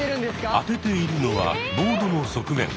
当てているのはボードの側面。